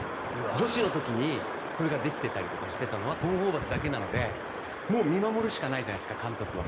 女子の時にそれができてたりとかしてたのはトム・ホーバスだけなので見守るしかないじゃないですか監督は。